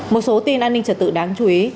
một số tin an ninh trật tự đáng chú ý